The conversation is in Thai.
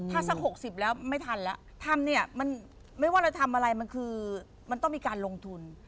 ถ้าสัก๖๐แล้วไม่ทันแล้วทำเนี่ยมันไม่ว่าเราทำอะไรมันคือมันต้องมีการลงทุน